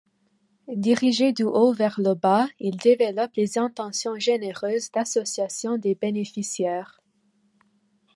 Dirigé du haut vers le bas, il développe les Intentions généreuses d’association des bénéficiaires.